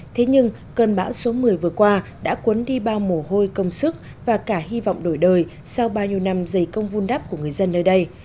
thế nhưng cơn bão số một mươi vừa qua đã cuốn đi bao mồ hôi công sức và cả hy vọng đổi đời sau bao nhiêu năm dày công vun đắp của người dân nơi đây